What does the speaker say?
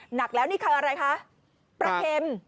หนักแล้วนี่คืออะไรคะปลาเค็ม